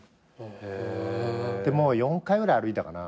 もう４回ぐらい歩いたかな。